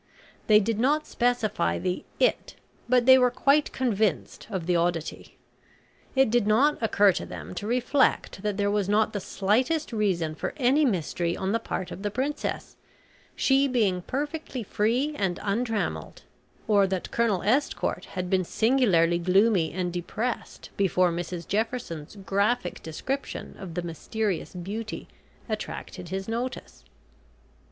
They did not specify the "it," but they were quite convinced of the oddity. It did not occur to them to reflect that there was not the slightest reason for any mystery on the part of the Princess, she being perfectly free and untrammelled, or that Colonel Estcourt had been singularly gloomy and depressed before Mrs Jefferson's graphic description of the mysterious beauty attracted his notice.